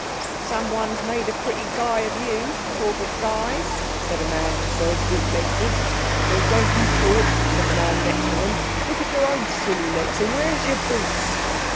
"Someone's made a pretty guy of you—talk of guys," said a man who sold bootlaces. "Well, don't you talk," said the man next to him. "Look at your own silly legs; and where's your boots?"